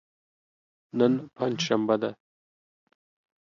نن پنج شنبه ده.